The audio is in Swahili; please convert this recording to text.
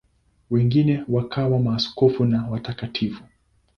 Wengine wakawa maaskofu na watakatifu.